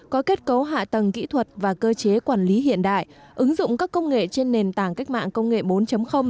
có kết cấu hạ tầng kỹ thuật và cơ chế quản lý hiện đại ứng dụng các công nghệ trên nền tảng cách mạng công nghệ bốn